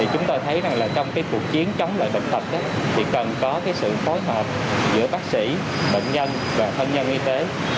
chúng tôi thấy rằng trong cuộc chiến chống lại bệnh tật thì cần có sự phối hợp giữa bác sĩ bệnh nhân và thân nhân y tế